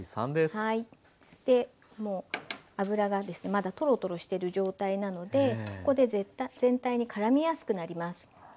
油がまだトロトロしてる状態なのでここで全体にからみやすくなります。